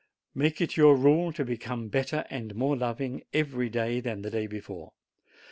Make it your rule to become better and more loving every day than the day before.